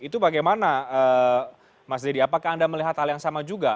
itu bagaimana mas deddy apakah anda melihat hal yang sama juga